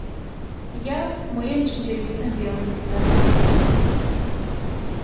Ял мыйын шинчавӱдым веле йоктарен.